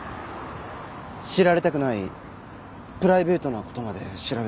知られたくないプライベートな事まで調べて。